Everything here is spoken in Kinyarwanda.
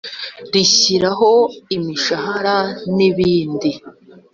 rishyiraho imishahara n ibindi